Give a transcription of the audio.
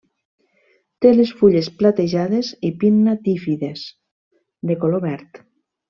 Té les fulles platejades pinnatífides de color verd.